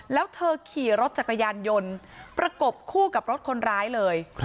แล้วเธอขี่รถจักรยานยนต์ประกบคู่กับรถคนร้ายเลย